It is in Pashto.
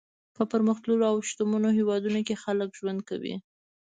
په پرمختللو او شتمنو هېوادونو کې خلک ژوند کوي.